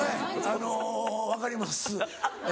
あの分かります。